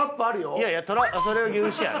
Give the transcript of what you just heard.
いやいやそれは牛脂やろ。